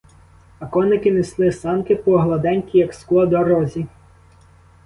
А коники несли санки по гладенькій, як скло, дорозі.